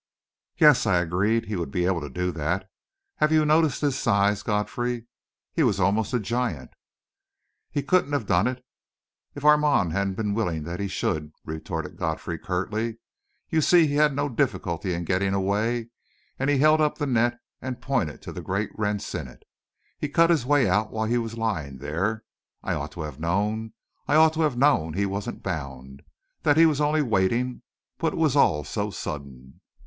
"Yes," I agreed; "he would be able to do that. Have you noticed his size, Godfrey? He was almost a giant!" "He couldn't have done it if Armand hadn't been willing that he should," retorted Godfrey, curtly. "You see he had no difficulty in getting away," and he held up the net and pointed to the great rents in it. "He cut his way out while he was lying there I ought to have known I ought to have known he wasn't bound that he was only waiting but it was all so sudden...."